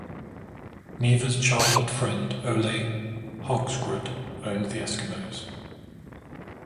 Nevers' childhood friend Ole Haugsrud owned the Eskimos.